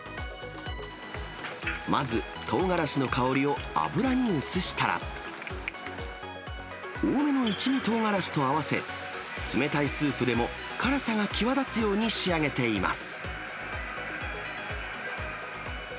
まず、とうがらしの香りを油に移したら、多めの一味とうがらしと合わせ、冷たいスープでも辛さが際立つように仕上げています。